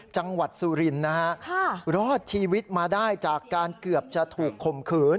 จังหวัดสุรินทร์นะฮะรอดชีวิตมาได้จากการเกือบจะถูกข่มขืน